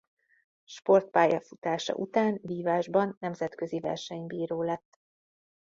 Sportpályafutása után vívásban nemzetközi versenybíró lett.